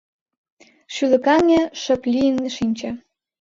Шӱлыкаҥе, шып лийын шинче.